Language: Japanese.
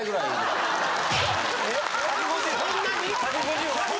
・そんなに？